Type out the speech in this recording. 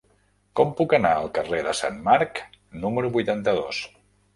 Com puc anar al carrer de Sant Marc número vuitanta-dos?